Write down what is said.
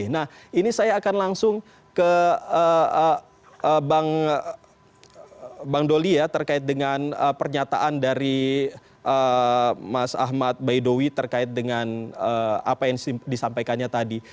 nah ini saya akan langsung ke bang doli ya terkait dengan pernyataan dari mas ahmad baidowi terkait dengan apa yang disampaikannya tadi